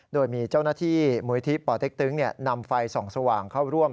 โดยมีเจ้าหน้าที่มูลที่ปเต็กตึงนำไฟส่องสว่างเข้าร่วม